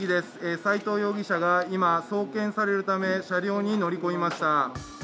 斉藤容疑者が今、送検されるため車両に乗り込みました。